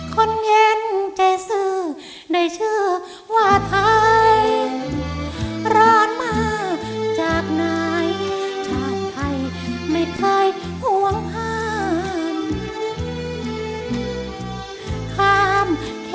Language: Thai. ข่ามเขตรักภาค